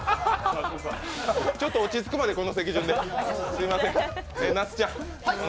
ちょっと落ち着くまでこの席順ですみません。